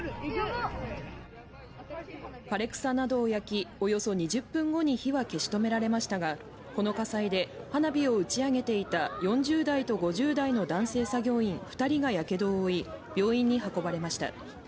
枯れ草などを焼き、およそ２０分後に火は消し止められましたがこの火災で花火を打ち上げていた４０代と５０代の男性作業員２人がやけどを負い病院に運ばれました。